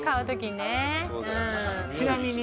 「ちなみに」